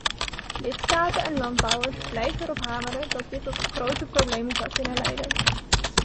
Lidstaten en landbouwers blijven erop hameren dat dit tot grote problemen zou kunnen leiden.